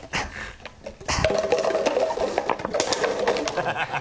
ハハハ